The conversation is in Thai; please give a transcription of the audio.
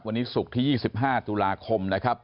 วันนี้ศุกร์ที่๒๕ตุลาคมนะครับ